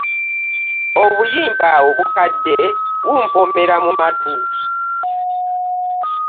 Obuyimba obukadde bumpoomera mu matu.